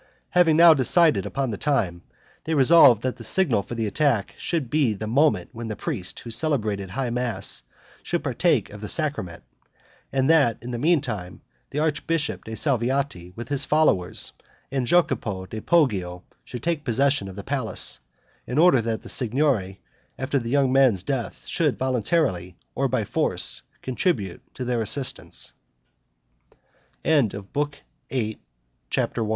Having now decided upon the time, they resolved that the signal for the attack should be the moment when the priest who celebrated high mass should partake of the sacrament, and that, in the meantime, the Archbishop de' Salviati, with his followers, and Jacopo di Poggio, should take possession of the palace, in order that the Signory, after the young men's death, should voluntarily, or by force, contribute to their assi